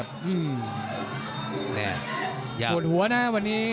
ปวดหัวนะวันนี้